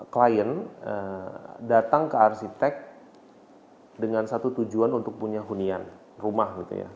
klien datang ke arsitek dengan satu tujuan untuk punya hunian rumah gitu ya